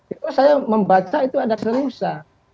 itu saya membaca itu ada keserusa